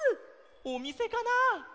おみせかな？